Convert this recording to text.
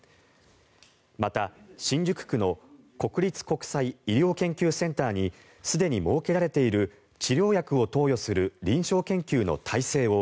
また、新宿区の国立国際医療研究センターにすでに設けられている治療薬を投与する臨床研究の体制を